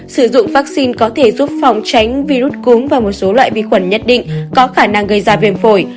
sử dụng vaccine có thể giúp phòng tránh virus cúm và một số loại vi khuẩn nhất định có khả năng gây ra viêm phổi